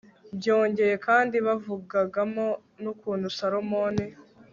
byongeye kandi, bavugagamo n'ukuntu salomoni